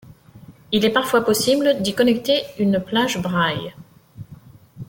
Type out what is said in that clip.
Il est parfois possible d'y connecter une plage braille.